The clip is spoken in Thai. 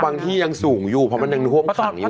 ที่ยังสูงอยู่เพราะมันยังท่วมขังอยู่